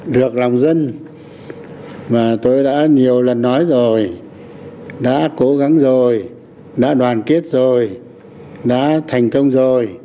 được lòng dân mà tôi đã nhiều lần nói rồi đã cố gắng rồi đã đoàn kết rồi đã thành công rồi